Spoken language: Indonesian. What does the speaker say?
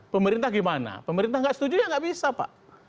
pemerintah gimana pemerintah nggak setuju ya nggak bisa pak